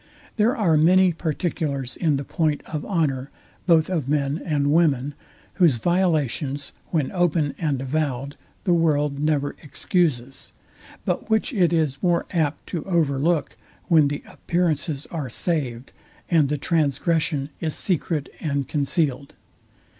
There are many particulars in the point of honour both of men and women, whose violations, when open and avowed, the world never excuses, but which it is more apt to overlook, when the appearances are saved, and the transgression is secret and concealed.